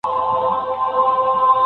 آیا هوسۍ تر غوا ګړندۍ ده؟